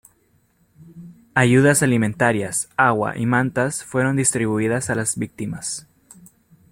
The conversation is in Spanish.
Ayudas alimentarias, agua y mantas fueron distribuidas a las víctimas.